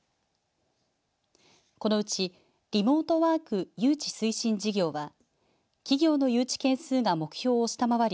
このうちリモートワーク誘致推進事業は企業の誘致件数が目標を下回り